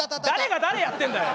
誰が誰やってんだよ！